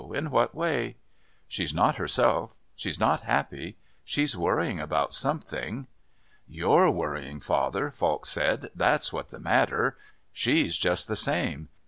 No; in what way?" "She's not herself. She's not happy. She's worrying about something." "You're worrying, father," Falk said, "that's what's the matter. She's just the same.